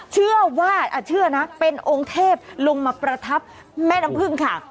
เชื่อว่าเชื่อนะเป็นองค์เทพลงมาประทับแม่น้ำพึ่งค่ะ